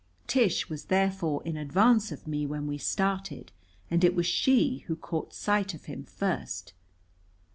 Tish was therefore in advance of me when we started, and it was she who caught sight of him first.